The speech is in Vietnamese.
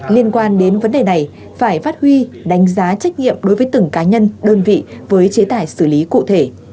liên quan đến vấn đề này phải phát huy đánh giá trách nhiệm đối với từng cá nhân đơn vị với chế tài xử lý cụ thể